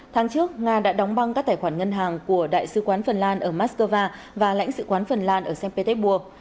tháng trước nga đã đóng băng các tài khoản ngân hàng của đại sứ quán phần lan ở moscow và lãnh sự quán phần lan ở st petersburg